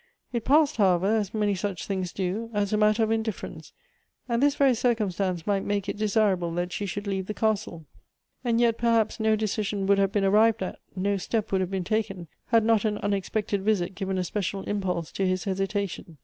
It passed, however, as many such things do, as a matter of indiflfer enee, and this very circumstance might make it desirable that she should leave the cattle. And yet, perhaps, no decision would have been arrived at, no step would have been taken, had not an unexpected visit given a special impulse to his hesitation.